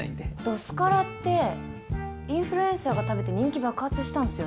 どすからってインフルエンサーが食べて人気爆発したんすよね。